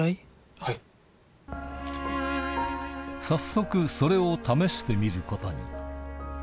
早速それを試してみることに